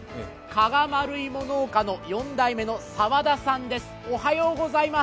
加賀丸いも農家の４代目の澤田さんです。